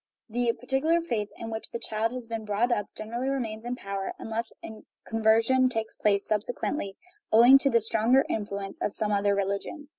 The particular faith in which the child has been brought up generally remains in power, unless a "conversion" takes place subsequently, owing to the stronger influ ence of some other religion.